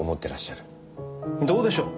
どうでしょう？